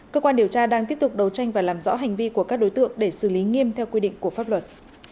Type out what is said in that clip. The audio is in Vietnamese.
cơ quan điều tra đang tiếp tục đấu tranh và làm rõ hành vi của các đối tượng để xử lý nghiêm theo quy định của pháp luật